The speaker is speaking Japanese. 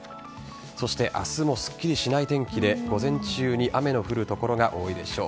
そして、明日もすっきりしない天気で午前中に雨の降る所が多いでしょう。